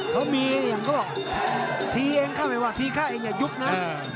เขามีอย่างก็บอกทีเองค่ะไม่ว่าทีข้าเองอย่ายุบนะ